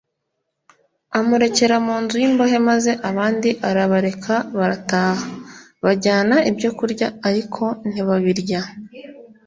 amurekera munzu y’imbohe maze abandi arabareka barataha. bajyana ibyokurya ariko ntibabirya.